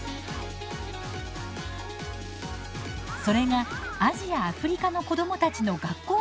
それがアジア・アフリカの子どもたちの学校